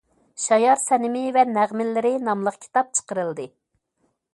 ‹‹ شايار سەنىمى ۋە نەغمىلىرى›› ناملىق كىتاب چىقىرىلدى.